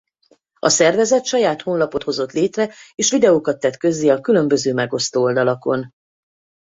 A szervezet saját honlapot hozott létre és videókat tett közzé a különböző megosztó oldalakon.